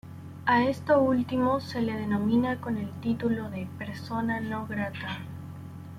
A esto último se le denomina con el título de "persona no grata".